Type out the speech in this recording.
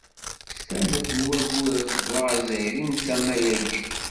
S tallelt n Waggur azeggaɣ azzayri n tama-agi.